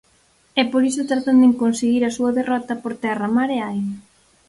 E por iso tratan de conseguir a súa derrota por terra mar e aire.